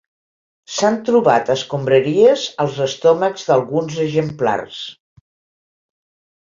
S'han trobat escombraries als estómacs d'alguns exemplars.